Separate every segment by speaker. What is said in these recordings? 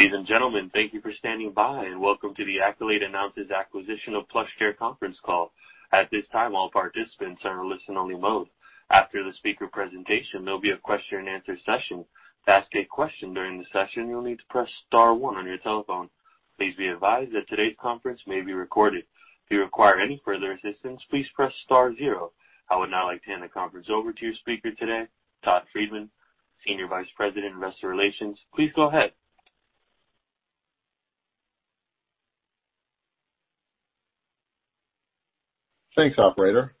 Speaker 1: Ladies and gentlemen, thank you for standing by, and welcome to the Accolade Announces Acquisition of PlushCare conference call. At this time all participants are in listen-only mode. After the speaker presentation there will be a question-and-answer session. To ask a question during the session you need press star one on your telephone. Please be advised that this call is being recorded. If you require any assistance please press star zero. I would now like to hand the conference over to your speaker today, Todd Friedman, Senior Vice President, Investor Relations. Please go ahead.
Speaker 2: Thanks, operator.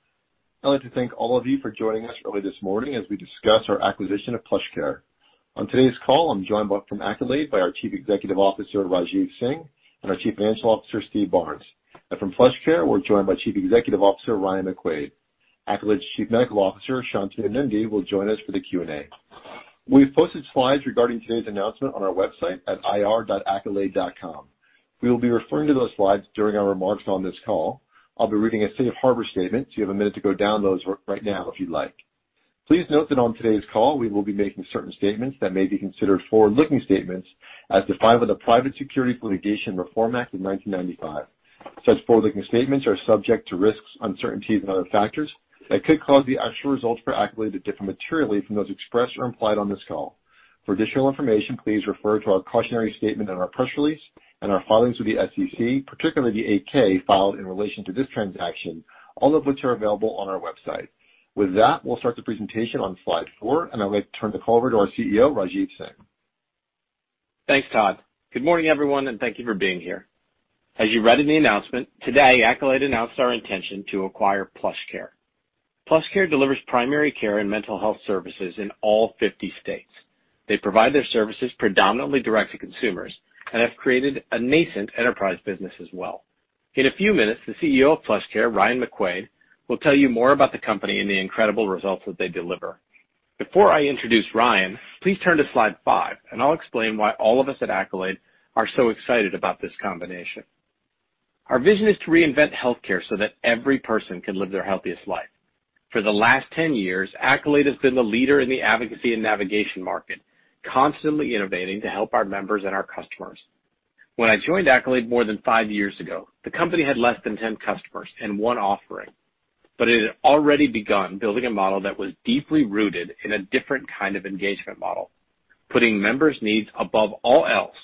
Speaker 2: I'd like to thank all of you for joining us early this morning as we discuss our acquisition of PlushCare. On today's call, I'm joined from Accolade by our Chief Executive Officer, Rajeev Singh, and our Chief Financial Officer, Steve Barnes. From PlushCare, we're joined by Chief Executive Officer, Ryan McQuaid. Accolade's Chief Medical Officer, Shantanu Nundy, will join us for the Q&A. We've posted slides regarding today's announcement on our website at ir.accolade.com. We will be referring to those slides during our remarks on this call. I'll be reading a safe harbor statement, so you have a minute to go down those right now if you'd like. Please note that on today's call, we will be making certain statements that may be considered forward-looking statements as defined by the Private Securities Litigation Reform Act of 1995. Such forward-looking statements are subject to risks, uncertainties, and other factors that could cause the actual results for Accolade to differ materially from those expressed or implied on this call. For additional information, please refer to our cautionary statement in our press release and our filings with the SEC, particularly the 8-K filed in relation to this transaction, all of which are available on our website. With that, we'll start the presentation on slide four, and I'd like to turn the call over to our CEO, Rajeev Singh.
Speaker 3: Thanks, Todd. Good morning, everyone, and thank you for being here. As you read in the announcement, today, Accolade announced our intention to acquire PlushCare. PlushCare delivers primary care and mental health services in all 50 states. They provide their services predominantly direct to consumers and have created a nascent enterprise business as well. In a few minutes, the CEO of PlushCare, Ryan McQuaid, will tell you more about the company and the incredible results that they deliver. Before I introduce Ryan, please turn to slide five, and I'll explain why all of us at Accolade are so excited about this combination. Our vision is to reinvent healthcare so that every person can live their healthiest life. For the last 10 years, Accolade has been the leader in the advocacy and navigation market, constantly innovating to help our members and our customers. When I joined Accolade more than five years ago, the company had less than 10 customers and one offering. It had already begun building a model that was deeply rooted in a different kind of engagement model, putting members' needs above all else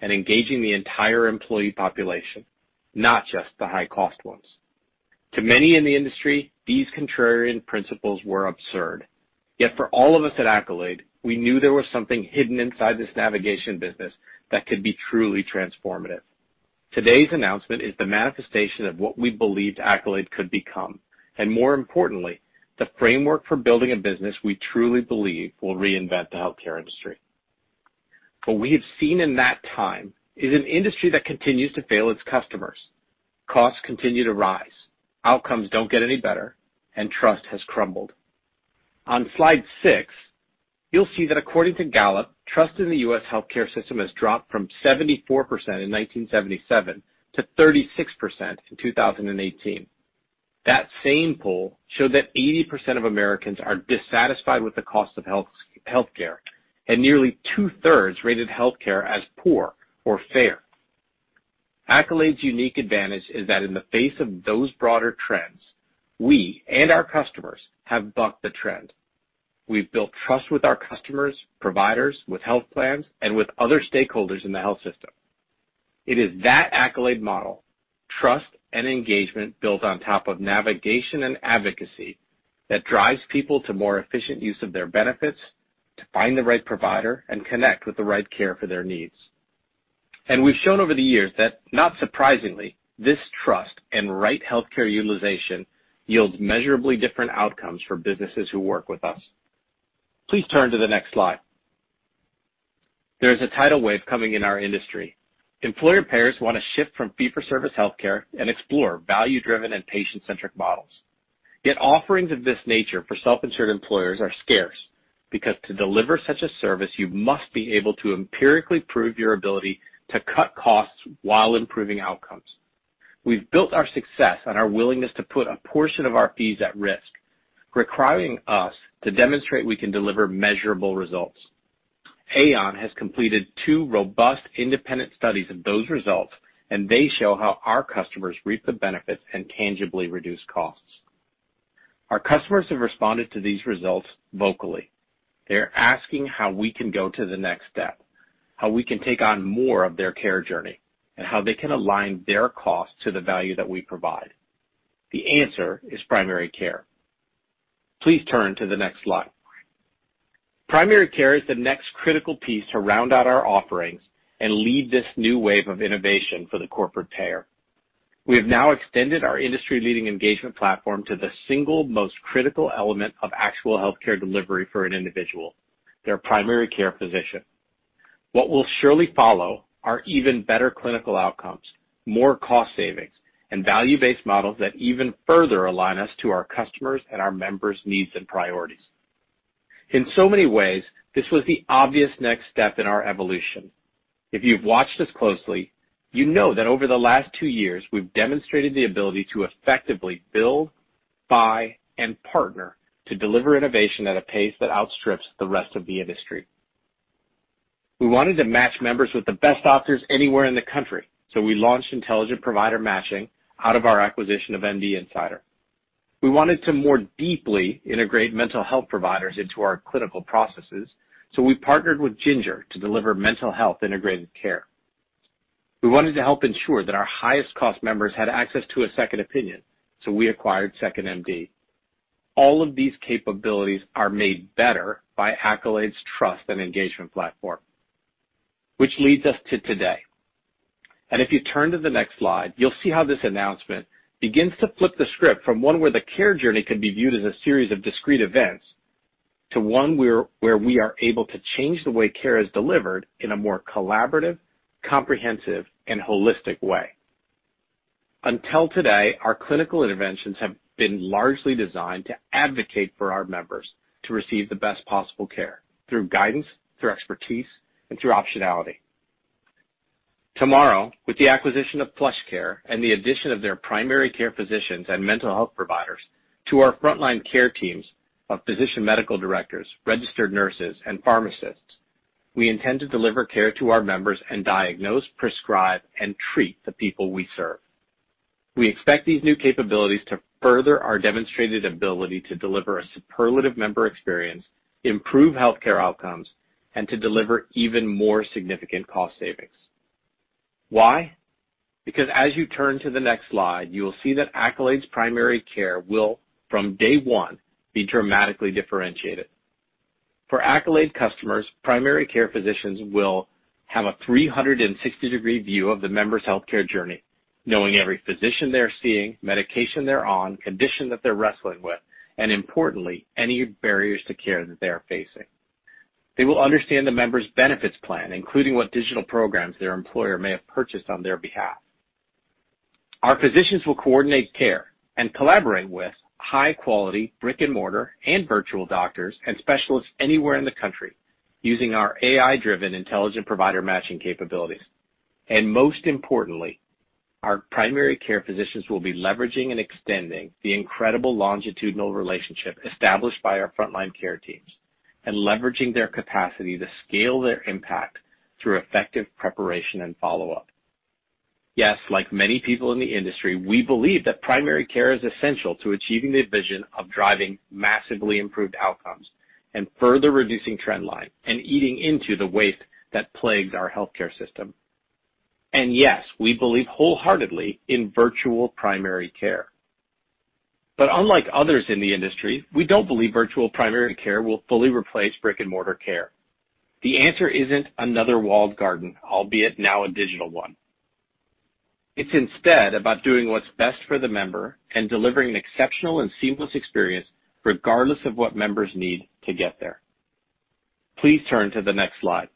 Speaker 3: and engaging the entire employee population, not just the high-cost ones. To many in the industry, these contrarian principles were absurd. Yet for all of us at Accolade, we knew there was something hidden inside this navigation business that could be truly transformative. Today's announcement is the manifestation of what we believed Accolade could become, and more importantly, the framework for building a business we truly believe will reinvent the healthcare industry. What we have seen in that time is an industry that continues to fail its customers. Costs continue to rise, outcomes don't get any better, and trust has crumbled. On slide six, you'll see that according to Gallup, trust in the U.S. healthcare system has dropped from 74% in 1977 to 36% in 2018. That same poll showed that 80% of Americans are dissatisfied with the cost of healthcare, and nearly 2/3 rated healthcare as poor or fair. Accolade's unique advantage is that in the face of those broader trends, we and our customers have bucked the trend. We've built trust with our customers, providers, with health plans, and with other stakeholders in the health system. It is that Accolade model, trust and engagement built on top of navigation and advocacy, that drives people to more efficient use of their benefits, to find the right provider, and connect with the right care for their needs. We've shown over the years that, not surprisingly, this trust and right healthcare utilization yields measurably different outcomes for businesses who work with us. Please turn to the next slide. There is a tidal wave coming in our industry. Employer payers want to shift from fee-for-service healthcare and explore value-driven and patient-centric models. Yet offerings of this nature for self-insured employers are scarce, because to deliver such a service, you must be able to empirically prove your ability to cut costs while improving outcomes. We've built our success on our willingness to put a portion of our fees at risk, requiring us to demonstrate we can deliver measurable results. Aon has completed two robust independent studies of those results, and they show how our customers reap the benefits and tangibly reduce costs. Our customers have responded to these results vocally. They're asking how we can go to the next step, how we can take on more of their care journey, and how they can align their costs to the value that we provide. The answer is primary care. Please turn to the next slide. Primary care is the next critical piece to round out our offerings and lead this new wave of innovation for the corporate payer. We have now extended our industry-leading engagement platform to the single most critical element of actual healthcare delivery for an individual, their primary care physician. What will surely follow are even better clinical outcomes, more cost savings, and value-based models that even further align us to our customers and our members' needs and priorities. In so many ways, this was the obvious next step in our evolution. If you've watched us closely, you know that over the last two years, we've demonstrated the ability to effectively build, buy and partner to deliver innovation at a pace that outstrips the rest of the industry. We wanted to match members with the best doctors anywhere in the country, so we launched Intelligent Provider Matching out of our acquisition of MD Insider. We wanted to more deeply integrate mental health providers into our clinical processes, so we partnered with Ginger to deliver mental health integrated care. We wanted to help ensure that our highest cost members had access to a second opinion, so we acquired 2nd.MD. All of these capabilities are made better by Accolade's Trust and Engagement platform. Which leads us to today. If you turn to the next slide, you'll see how this announcement begins to flip the script from one where the care journey can be viewed as a series of discrete events to one where we are able to change the way care is delivered in a more collaborative, comprehensive, and holistic way. Until today, our clinical interventions have been largely designed to advocate for our members to receive the best possible care through guidance, through expertise, and through optionality. Tomorrow, with the acquisition of PlushCare and the addition of their primary care physicians and mental health providers to our frontline care teams of physician medical directors, registered nurses, and pharmacists, we intend to deliver care to our members and diagnose, prescribe, and treat the people we serve. We expect these new capabilities to further our demonstrated ability to deliver a superlative member experience, improve healthcare outcomes, and to deliver even more significant cost savings. Why? Because as you turn to the next slide, you will see that Accolade's primary care will, from day one, be dramatically differentiated. For Accolade customers, primary care physicians will have a 360-degree view of the member's healthcare journey, knowing every physician they're seeing, medication they're on, condition that they're wrestling with, and importantly, any barriers to care that they are facing. They will understand the member's benefits plan, including what digital programs their employer may have purchased on their behalf. Our physicians will coordinate care and collaborate with high-quality brick-and-mortar and virtual doctors and specialists anywhere in the country using our AI-driven Intelligent Provider Matching capabilities. Most importantly, our primary care physicians will be leveraging and extending the incredible longitudinal relationship established by our frontline care teams and leveraging their capacity to scale their impact through effective preparation and follow-up. Yes, like many people in the industry, we believe that primary care is essential to achieving the vision of driving massively improved outcomes and further reducing trend line and eating into the waste that plagues our healthcare system. Yes, we believe wholeheartedly in virtual primary care. Unlike others in the industry, we don't believe virtual primary care will fully replace brick-and-mortar care. The answer isn't another walled garden, albeit now a digital one. It's instead about doing what's best for the member and delivering an exceptional and seamless experience regardless of what members need to get there. Please turn to the next slide.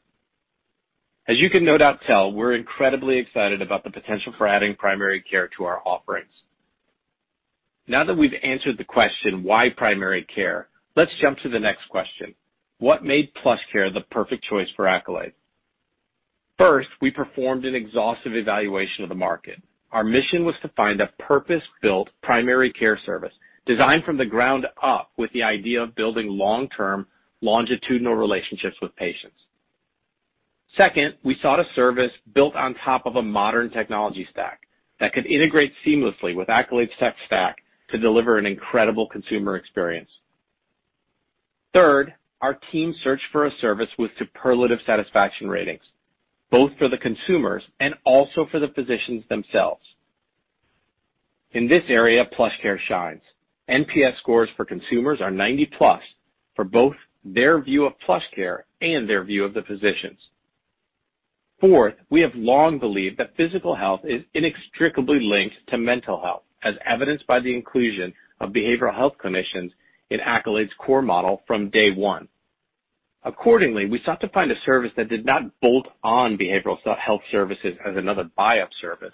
Speaker 3: As you can no doubt tell, we're incredibly excited about the potential for adding primary care to our offerings. Now that we've answered the question, why primary care, let's jump to the next question. What made PlushCare the perfect choice for Accolade? First, we performed an exhaustive evaluation of the market. Our mission was to find a purpose-built primary care service designed from the ground up with the idea of building long-term, longitudinal relationships with patients. Second, we sought a service built on top of a modern technology stack that could integrate seamlessly with Accolade's tech stack to deliver an incredible consumer experience. Third, our team searched for a service with superlative satisfaction ratings, both for the consumers and also for the physicians themselves. In this area, PlushCare shines. NPS scores for consumers are 90+ for both their view of PlushCare and their view of the physicians. Fourth, we have long believed that physical health is inextricably linked to mental health, as evidenced by the inclusion of behavioral health clinicians in Accolade's core model from day one. Accordingly, we sought to find a service that did not bolt on behavioral health services as another buy-up service,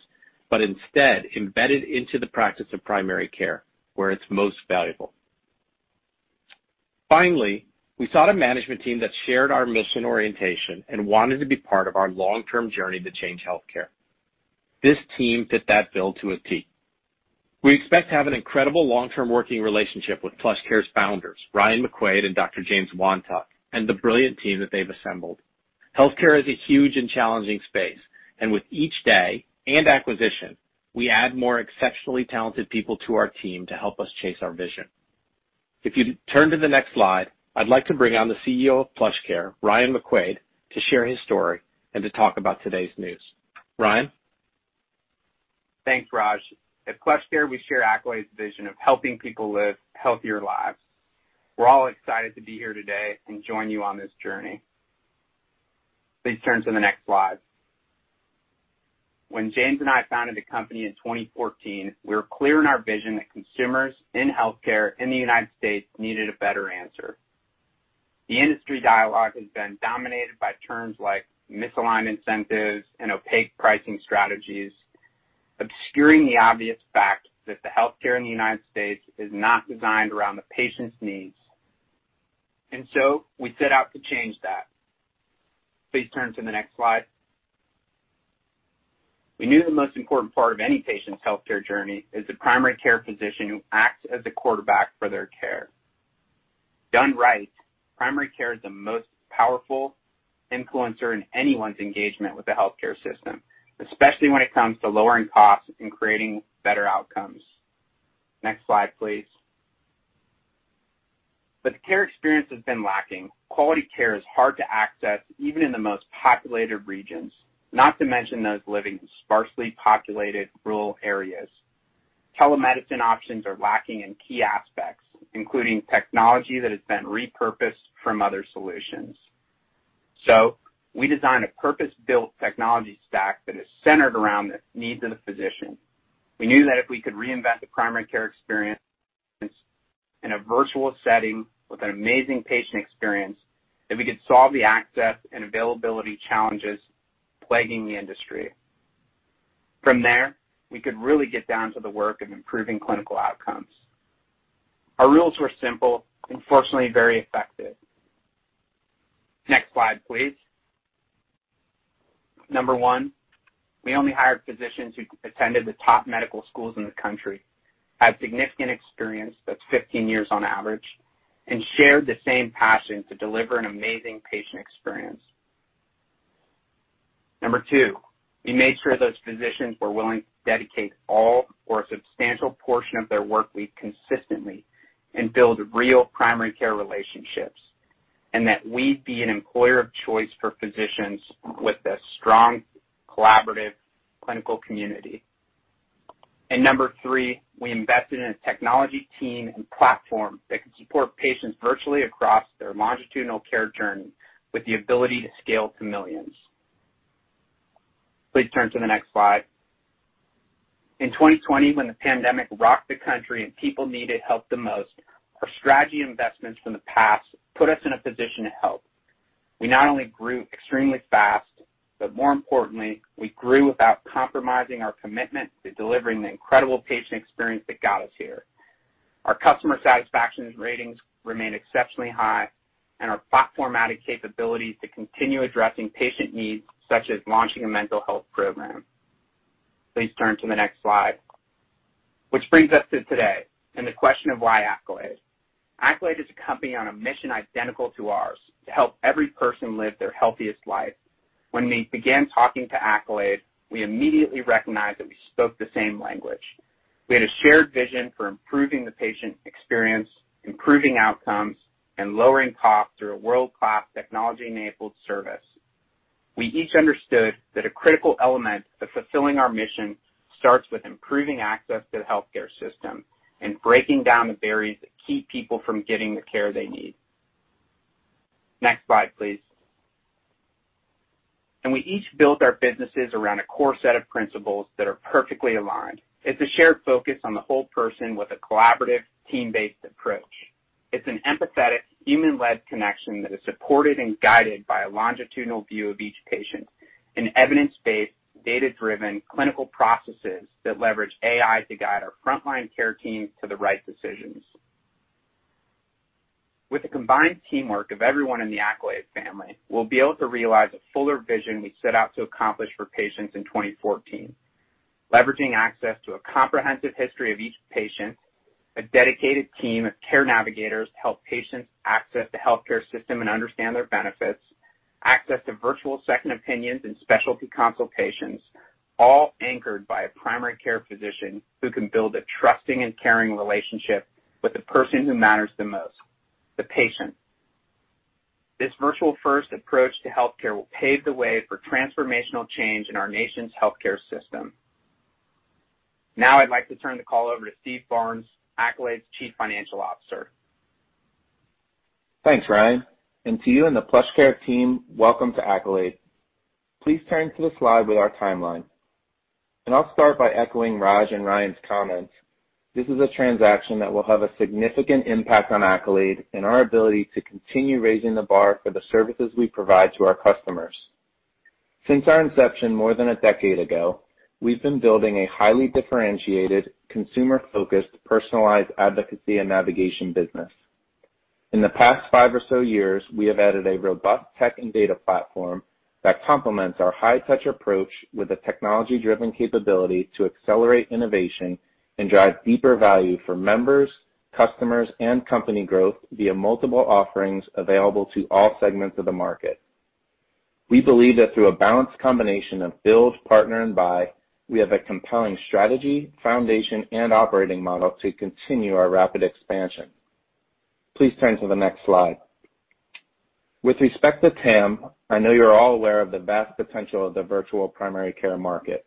Speaker 3: but instead embedded into the practice of primary care where it's most valuable. Finally, we sought a management team that shared our mission orientation and wanted to be part of our long-term journey to change healthcare. This team fit that bill to a T. We expect to have an incredible long-term working relationship with PlushCare's founders, Ryan McQuaid and Dr. James Wantuck, and the brilliant team that they've assembled. Healthcare is a huge and challenging space, and with each day and acquisition, we add more exceptionally talented people to our team to help us chase our vision. If you turn to the next slide, I'd like to bring on the CEO of PlushCare, Ryan McQuaid, to share his story and to talk about today's news. Ryan?
Speaker 4: Thanks, Raj. At PlushCare, we share Accolade's vision of helping people live healthier lives. We're all excited to be here today and join you on this journey. Please turn to the next slide. When James and I founded the company in 2014, we were clear in our vision that consumers in healthcare in the U.S. needed a better answer. The industry dialogue has been dominated by terms like misaligned incentives and opaque pricing strategies, obscuring the obvious fact that the healthcare in the U.S. is not designed around the patient's needs. We set out to change that. Please turn to the next slide. We knew the most important part of any patient's healthcare journey is the primary care physician who acts as the quarterback for their care. Done right, primary care is the most powerful influencer in anyone's engagement with the healthcare system, especially when it comes to lowering costs and creating better outcomes. Next slide, please. The care experience has been lacking. Quality care is hard to access even in the most populated regions, not to mention those living in sparsely populated rural areas. Telemedicine options are lacking in key aspects, including technology that has been repurposed from other solutions. We designed a purpose-built technology stack that is centered around the needs of the physician. We knew that if we could reinvent the primary care experience in a virtual setting with an amazing patient experience, that we could solve the access and availability challenges plaguing the industry. From there, we could really get down to the work of improving clinical outcomes. Our rules were simple, and fortunately, very effective. Next slide, please. Number one, we only hired physicians who attended the top medical schools in the country, have significant experience that's 15 years on average, and shared the same passion to deliver an amazing patient experience. Number two, we made sure those physicians were willing to dedicate all or a substantial portion of their workweek consistently and build real primary care relationships, and that we'd be an employer of choice for physicians with a strong collaborative clinical community. Number three, we invested in a technology team and platform that can support patients virtually across their longitudinal care journey with the ability to scale to millions. Please turn to the next slide. In 2020, when the pandemic rocked the country and people needed help the most, our strategy investments from the past put us in a position to help. We not only grew extremely fast, but more importantly, we grew without compromising our commitment to delivering the incredible patient experience that got us here. Our customer satisfaction ratings remain exceptionally high, and our platform added capabilities to continue addressing patient needs, such as launching a mental health program. Please turn to the next slide. Which brings us to today and the question of why Accolade. Accolade is a company on a mission identical to ours, to help every person live their healthiest life. When we began talking to Accolade, we immediately recognized that we spoke the same language. We had a shared vision for improving the patient experience, improving outcomes, and lowering costs through a world-class technology-enabled service. We each understood that a critical element of fulfilling our mission starts with improving access to the healthcare system and breaking down the barriers that keep people from getting the care they need. Next slide, please. We each build our businesses around a core set of principles that are perfectly aligned. It's a shared focus on the whole person with a collaborative, team-based approach. It's an empathetic, human-led connection that is supported and guided by a longitudinal view of each patient and evidence-based, data-driven clinical processes that leverage AI to guide our frontline care team to the right decisions. With the combined teamwork of everyone in the Accolade family, we'll be able to realize a fuller vision we set out to accomplish for patients in 2014, leveraging access to a comprehensive history of each patient, a dedicated team of care navigators to help patients access the healthcare system and understand their benefits, access to virtual second opinions and specialty consultations, all anchored by a primary care physician who can build a trusting and caring relationship with the person who matters the most, the patient. This virtual-first approach to healthcare will pave the way for transformational change in our nation's healthcare system. I'd like to turn the call over to Steve Barnes, Accolade's Chief Financial Officer.
Speaker 5: Thanks, Ryan. To you and the PlushCare team, welcome to Accolade. Please turn to the slide with our timeline. I'll start by echoing Raj and Ryan's comments. This is a transaction that will have a significant impact on Accolade and our ability to continue raising the bar for the services we provide to our customers. Since our inception more than a decade ago, we've been building a highly differentiated, consumer-focused, personalized advocacy and navigation business. In the past five or so years, we have added a robust tech and data platform that complements our high-touch approach with the technology-driven capability to accelerate innovation and drive deeper value for members, customers, and company growth via multiple offerings available to all segments of the market. We believe that through a balanced combination of build, partner, and buy, we have a compelling strategy, foundation, and operating model to continue our rapid expansion. Please turn to the next slide. With respect to TAM, I know you're all aware of the vast potential of the virtual primary care market.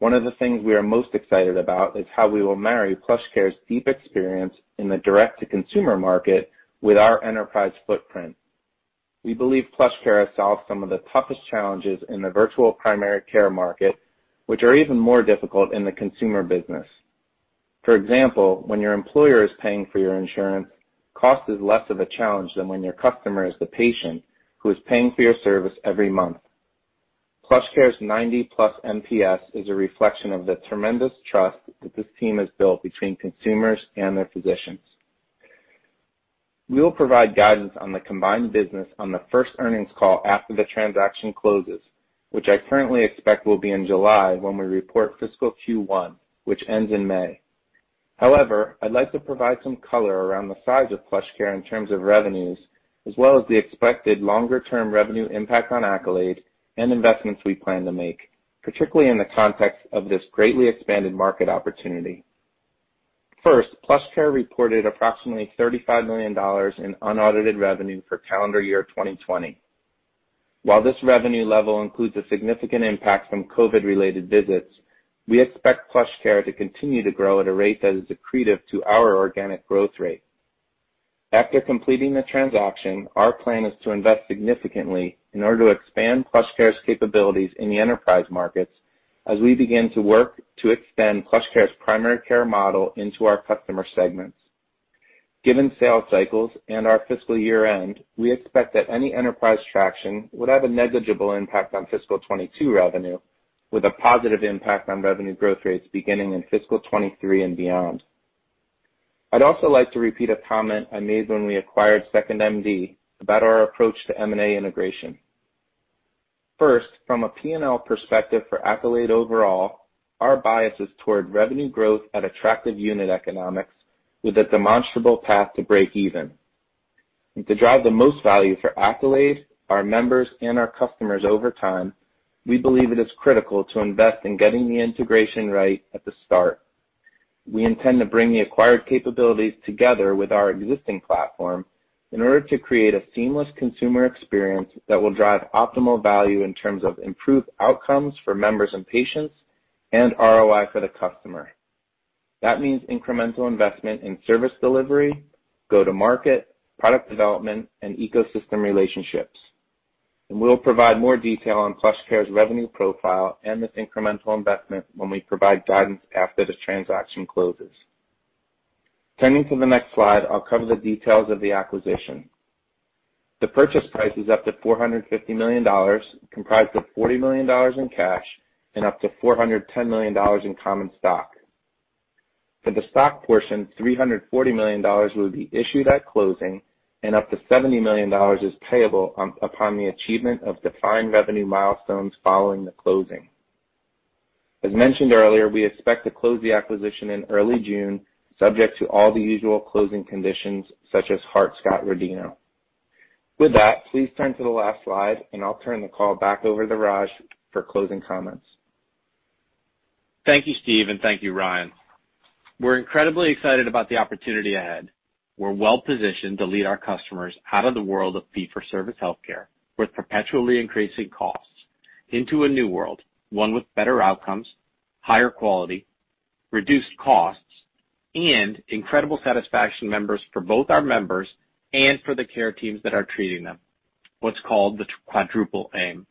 Speaker 5: One of the things we are most excited about is how we will marry PlushCare's deep experience in the direct-to-consumer market with our enterprise footprint. We believe PlushCare has solved some of the toughest challenges in the virtual primary care market, which are even more difficult in the consumer business. For example, when your employer is paying for your insurance, cost is less of a challenge than when your customer is the patient who is paying for your service every month. PlushCare's 90+ NPS is a reflection of the tremendous trust that this team has built between consumers and their physicians. We will provide guidance on the combined business on the first earnings call after the transaction closes, which I currently expect will be in July when we report fiscal Q1, which ends in May. I'd like to provide some color around the size of PlushCare in terms of revenues, as well as the expected longer-term revenue impact on Accolade and investments we plan to make, particularly in the context of this greatly expanded market opportunity. PlushCare reported approximately $35 million in unaudited revenue for calendar year 2020. While this revenue level includes a significant impact from COVID-related visits, we expect PlushCare to continue to grow at a rate that is accretive to our organic growth rate. After completing the transaction, our plan is to invest significantly in order to expand PlushCare's capabilities in the enterprise markets as we begin to work to extend PlushCare's primary care model into our customer segments. Given sales cycles and our fiscal year-end, we expect that any enterprise traction would have a negligible impact on fiscal 2022 revenue, with a positive impact on revenue growth rates beginning in fiscal 2023 and beyond. I'd also like to repeat a comment I made when we acquired 2nd.MD about our approach to M&A integration. First, from a P&L perspective for Accolade overall, our bias is toward revenue growth at attractive unit economics with a demonstrable path to break even. To drive the most value for Accolade, our members, and our customers over time, we believe it is critical to invest in getting the integration right at the start. We intend to bring the acquired capabilities together with our existing platform in order to create a seamless consumer experience that will drive optimal value in terms of improved outcomes for members and patients and ROI for the customer. That means incremental investment in service delivery, go-to-market, product development, and ecosystem relationships. We'll provide more detail on PlushCare's revenue profile and this incremental investment when we provide guidance after the transaction closes. Turning to the next slide, I'll cover the details of the acquisition. The purchase price is up to $450 million, comprised of $40 million in cash and up to $410 million in common stock. For the stock portion, $340 million will be issued at closing and up to $70 million is payable upon the achievement of defined revenue milestones following the closing. As mentioned earlier, we expect to close the acquisition in early June, subject to all the usual closing conditions such as Hart-Scott-Rodino. With that, please turn to the last slide, and I'll turn the call back over to Raj for closing comments.
Speaker 3: Thank you, Steve, and thank you, Ryan. We're incredibly excited about the opportunity ahead. We're well-positioned to lead our customers out of the world of fee-for-service healthcare, with perpetually increasing costs, into a new world, one with better outcomes, higher quality, reduced costs, and incredible satisfaction members for both our members and for the care teams that are treating them, what's called the Quadruple Aim.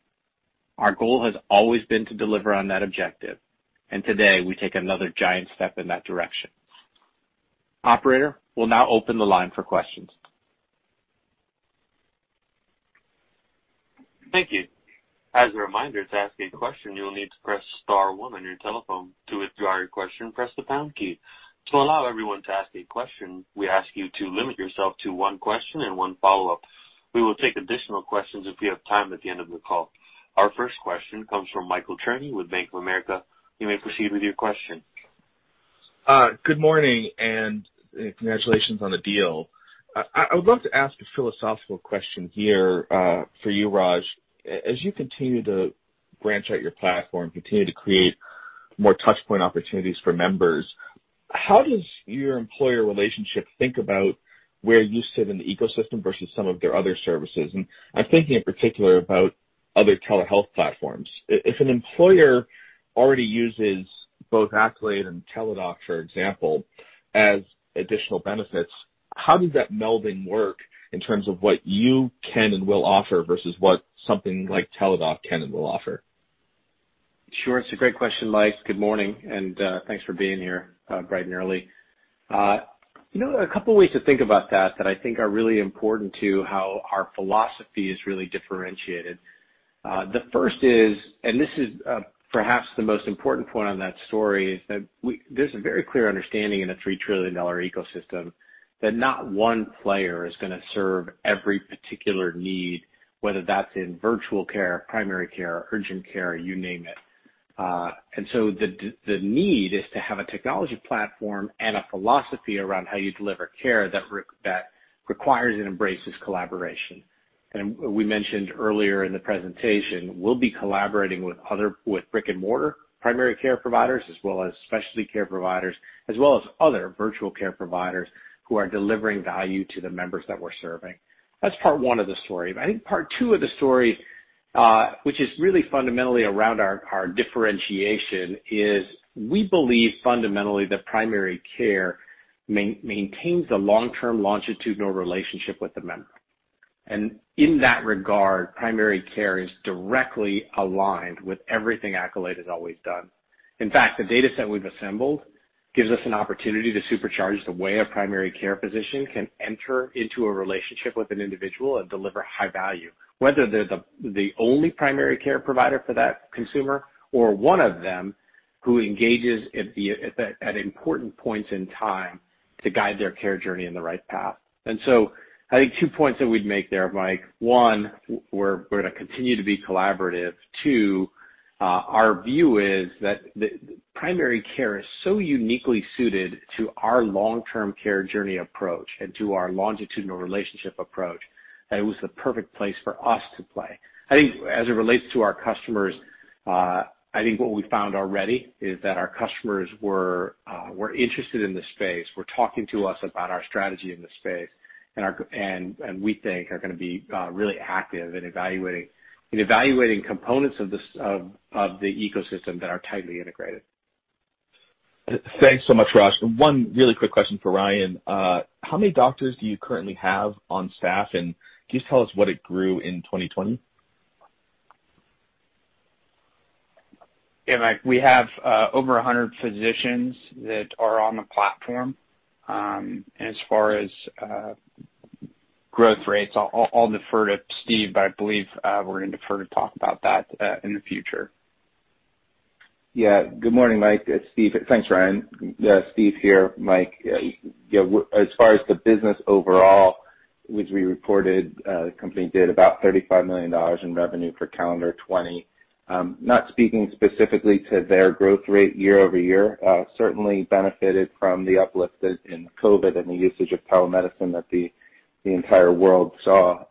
Speaker 3: Our goal has always been to deliver on that objective. Today we take another giant step in that direction. Operator, we'll now open the line for questions.
Speaker 1: Thank you. As a reminder, to ask a question you need to press star one on your telephone. To withdraw your question press the pound key. To allow everyone to ask a question we ask you to limit yourself to one question and one follow-up. We will take additional questions at the end of the call. Our first question comes from Michael Cherny with Bank of America. You may proceed with your question.
Speaker 6: Good morning, and congratulations on the deal. I would love to ask a philosophical question here for you, Raj. As you continue to branch out your platform, continue to create more touchpoint opportunities for members, how does your employer relationship think about where you sit in the ecosystem versus some of their other services? I'm thinking in particular about other telehealth platforms. If an employer already uses both Accolade and Teladoc, for example, as additional benefits, how does that melding work in terms of what you can and will offer versus what something like Teladoc can and will offer?
Speaker 3: Sure. It's a great question, Mike. Good morning, and thanks for being here bright and early. A couple of ways to think about that that I think are really important to how our philosophy is really differentiated. The first is, and this is perhaps the most important point on that story, is that there's a very clear understanding in a $3 trillion ecosystem that not one player is going to serve every particular need, whether that's in virtual care, primary care, urgent care, you name it. The need is to have a technology platform and a philosophy around how you deliver care that requires and embraces collaboration. We mentioned earlier in the presentation, we'll be collaborating with brick-and-mortar primary care providers as well as specialty care providers, as well as other virtual care providers who are delivering value to the members that we're serving. That's part one of the story. I think part two of the story, which is really fundamentally around our differentiation, is we believe fundamentally that primary care maintains a long-term longitudinal relationship with the member. In that regard, primary care is directly aligned with everything Accolade has always done. In fact, the data set we've assembled gives us an opportunity to supercharge the way a primary care physician can enter into a relationship with an individual and deliver high value, whether they're the only primary care provider for that consumer or one of them who engages at important points in time to guide their care journey in the right path. I think two points that we'd make there, Mike. One, we're going to continue to be collaborative. Two, our view is that primary care is so uniquely suited to our long-term care journey approach and to our longitudinal relationship approach, that it was the perfect place for us to play. I think as it relates to our customers, I think what we found already is that our customers were interested in the space, were talking to us about our strategy in the space, and we think are going to be really active in evaluating components of the ecosystem that are tightly integrated.
Speaker 6: Thanks so much, Raj. One really quick question for Ryan. How many doctors do you currently have on staff, and can you just tell us what it grew in 2020?
Speaker 4: Yeah, Mike, we have over 100 physicians that are on the platform. As far as growth rates, I'll defer to Steve, but I believe we're going to defer to talk about that in the future.
Speaker 5: Yeah. Good morning, Mike. It's Steve. Thanks, Ryan. Yeah, Steve here, Mike. As far as the business overall, which we reported, the company did about $35 million in revenue for calendar 2020. Not speaking specifically to their growth rate year-over-year. Certainly benefited from the uplift in COVID and the usage of telemedicine that the entire world saw.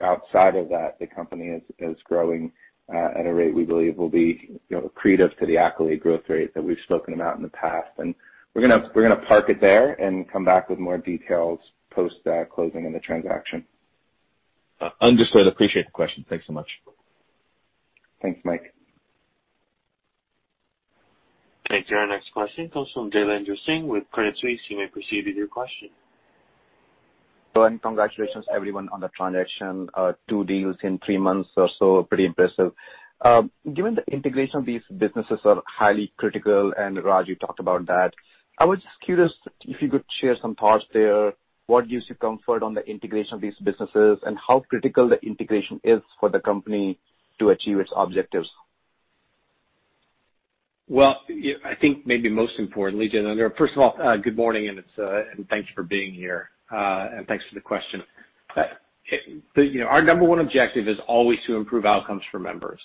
Speaker 5: Outside of that, the company is growing at a rate we believe will be accretive to the Accolade growth rate that we've spoken about in the past. We're going to park it there and come back with more details post closing in the transaction.
Speaker 6: Understood. Appreciate the question. Thanks so much.
Speaker 3: Thanks, Mike.
Speaker 1: Thank you. Our next question comes from Jailendra Singh with Credit Suisse. You may proceed with your question.
Speaker 7: Congratulations everyone on the transaction. Two deals in three months or so, pretty impressive. Given the integration of these businesses are highly critical, and Raj, you talked about that, I was just curious if you could share some thoughts there. What gives you comfort on the integration of these businesses, and how critical the integration is for the company to achieve its objectives?
Speaker 3: I think maybe most importantly, Jailendra, first of all, good morning, and thank you for being here. Thanks for the question. Our number one objective is always to improve outcomes for members,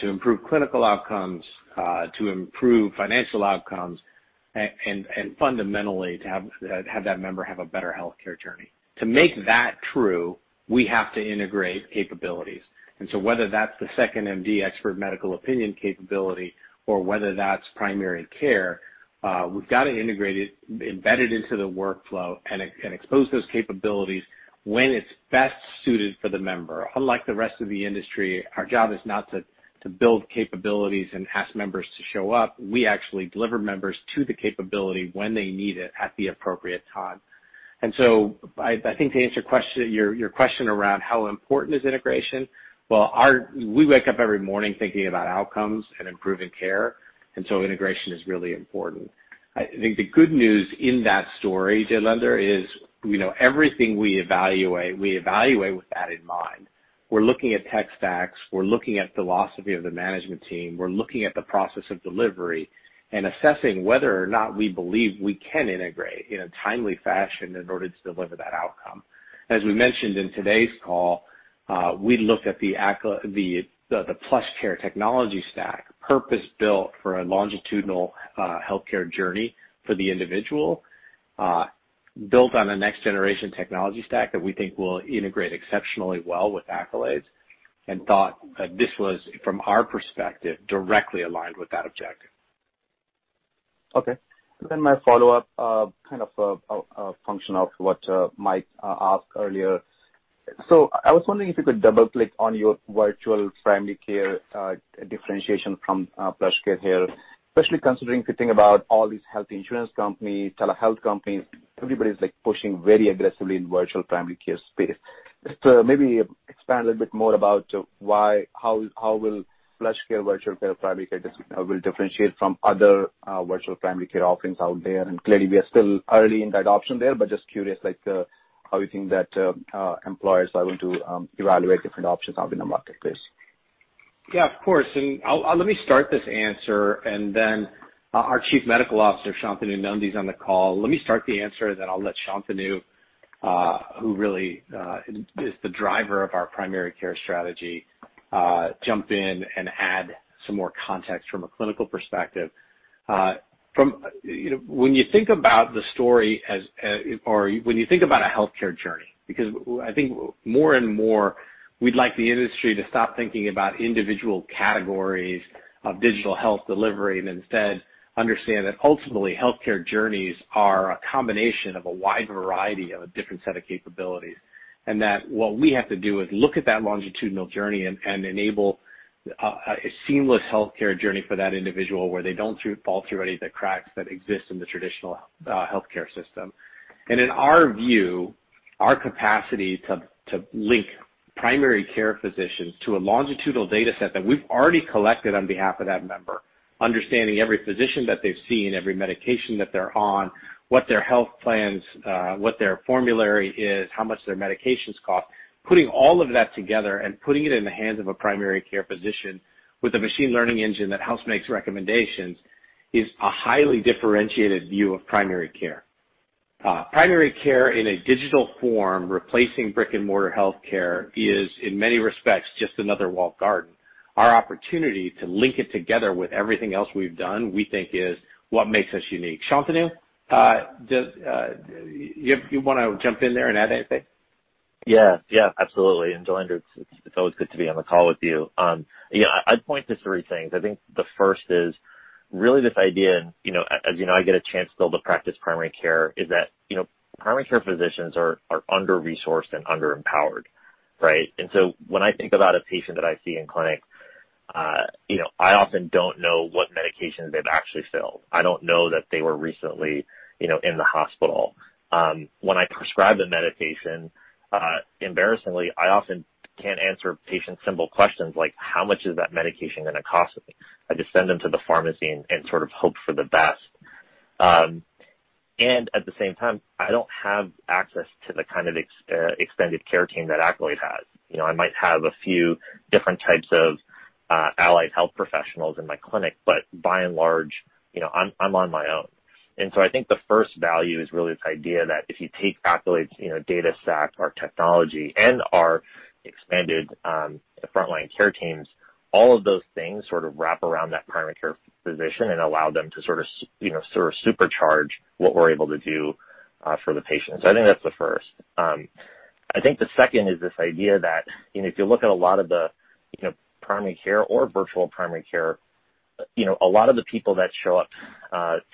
Speaker 3: to improve clinical outcomes, to improve financial outcomes, and fundamentally, to have that member have a better healthcare journey. To make that true, we have to integrate capabilities. Whether that's the 2nd.MD expert medical opinion capability or whether that's primary care, we've got to integrate it, embed it into the workflow, and expose those capabilities when it's best suited for the member. Unlike the rest of the industry, our job is not to build capabilities and ask members to show up. We actually deliver members to the capability when they need it at the appropriate time. I think to answer your question around how important is integration, well, we wake up every morning thinking about outcomes and improving care, so integration is really important. I think the good news in that story, Jailendra, is everything we evaluate, we evaluate with that in mind. We're looking at tech stacks, we're looking at philosophy of the management team. We're looking at the process of delivery and assessing whether or not we believe we can integrate in a timely fashion in order to deliver that outcome. As we mentioned in today's call, we look at the PlushCare technology stack, purpose-built for a longitudinal healthcare journey for the individual, built on a next generation technology stack that we think will integrate exceptionally well with Accolade's, and thought that this was, from our perspective, directly aligned with that objective.
Speaker 7: Okay. My follow-up, kind of a function of what Mike asked earlier. I was wondering if you could double-click on your virtual primary care differentiation from PlushCare here, especially considering if you think about all these health insurance companies, telehealth companies, everybody's pushing very aggressively in virtual primary care space. Just maybe expand a little bit more about how will PlushCare virtual care, primary care will differentiate from other virtual primary care offerings out there? Clearly, we are still early in that option there, but just curious, how you think that employers are going to evaluate different options out in the marketplace.
Speaker 3: Yeah, of course. Let me start this answer, and then our Chief Medical Officer, Shantanu Nundy, is on the call. Let me start the answer, and then I'll let Shantanu, who really is the driver of our primary care strategy, jump in and add some more context from a clinical perspective. When you think about the story as, or when you think about a healthcare journey, because I think more and more we'd like the industry to stop thinking about individual categories of digital health delivery and instead understand that ultimately, healthcare journeys are a combination of a wide variety of a different set of capabilities. That what we have to do is look at that longitudinal journey and enable a seamless healthcare journey for that individual where they don't fall through any of the cracks that exist in the traditional healthcare system. In our view, our capacity to link primary care physicians to a longitudinal data set that we've already collected on behalf of that member, understanding every physician that they've seen, every medication that they're on, what their health plans, what their formulary is, how much their medications cost, putting all of that together and putting it in the hands of a primary care physician with a machine learning engine that helps make recommendations, is a highly differentiated view of primary care. Primary care in a digital form, replacing brick-and-mortar healthcare is, in many respects, just another walled garden. Our opportunity to link it together with everything else we've done, we think, is what makes us unique. Shantanu, do you want to jump in there and add anything?
Speaker 8: Absolutely. Jailendra, it's always good to be on the call with you. I'd point to three things. I think the first is really this idea, as you know, I get a chance still to practice primary care, is that primary care physicians are under-resourced and under-empowered, right? When I think about a patient that I see in clinic, I often don't know what medications they've actually filled. I don't know that they were recently in the hospital. When I prescribe a medication, embarrassingly, I often can't answer patients' simple questions like, "How much is that medication going to cost me?" I just send them to the pharmacy and sort of hope for the best. At the same time, I don't have access to the kind of extended care team that Accolade has. I might have a few different types of allied health professionals in my clinic, but by and large, I'm on my own. I think the first value is really this idea that if you take Accolade's data stack, our technology, and our expanded frontline care teams, all of those things sort of wrap around that primary care physician and allow them to sort of supercharge what we're able to do for the patients. I think that's the first. I think the second is this idea that if you look at a lot of the primary care or virtual primary care, a lot of the people that show up